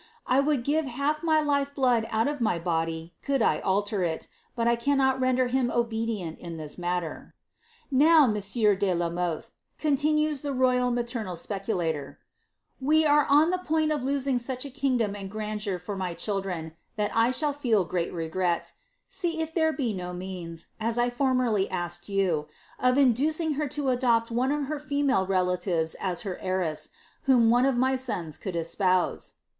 I wuulJ give hilf inv lirr blniHl nut of m^ body coald J •Iter il, l)ut I cannot render him obcttienl iit thin niatwr. " Nnw. nintisieur de 1b Mothe," conlinues tJie royJ maiemsl specit hlor, '• wc are on ihe point of losing such a kin^nm anil ifranJeur for my children, that 1 shall feel ^rtxt re^rel — sec i( ther? be n'> means, as I formerly asked yoa, of iniiucing her lo adopt one of her female rp|i tives as her heires*, whom one of my sons could espouse.''